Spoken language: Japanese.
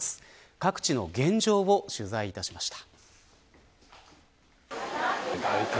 各地の現状を取材しました。